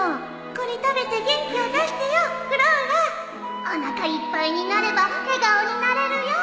これ食べて元気を出してよフローラおなかいっぱいになれば笑顔になれるよ